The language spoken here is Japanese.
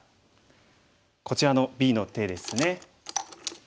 こちらのＢの手ですね。